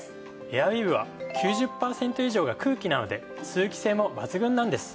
エアウィーヴは９０パーセント以上が空気なので通気性も抜群なんです。